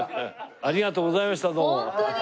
ありがとうございましたどうも。